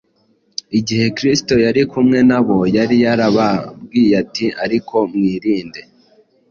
Igihe Kristo yari kumwe nabo yari yarababwiye ati, “Ariko mwirinde;